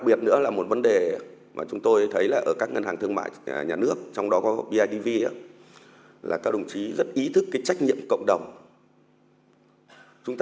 bidv là một trong những ngân hàng thương mại hàng đầu của hệ thống